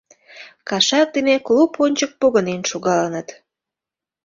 Кашак дене клуб ончык погынен шогалыныт.